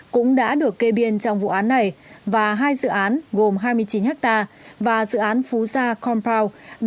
cũng đã được kê biên trong vụ án này và hai dự án gồm hai mươi chín hectare và dự án phú sa compound